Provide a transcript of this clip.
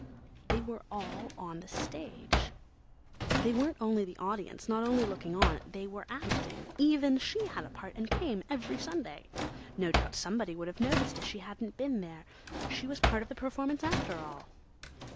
They were all on the stage. They weren't only the audience, not only looking on; they were acting. Even she had a part and came every Sunday. No doubt somebody would have noticed if she hadn't been there; she was part of the performance after all.